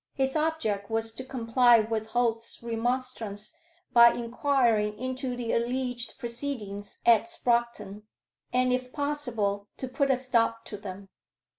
His object was to comply with Holt's remonstrance by enquiring into the alleged proceedings at Sproxton, and, if possible, to put a stop to them.